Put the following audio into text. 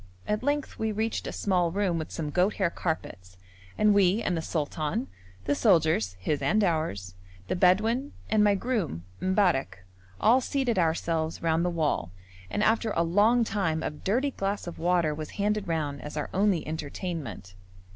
At length we reached a small room with some goat hair carpets and we and the sultan, the soldiers (his and ours), the Bedouin and my groom, M'barrek, all seated ourselves round the wall, and after a long time a dirty glass of water was handed round as our only entertainment.